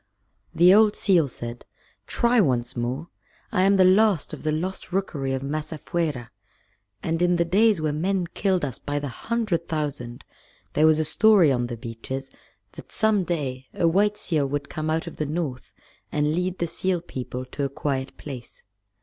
The old seal said, "Try once more. I am the last of the Lost Rookery of Masafuera, and in the days when men killed us by the hundred thousand there was a story on the beaches that some day a white seal would come out of the North and lead the seal people to a quiet place.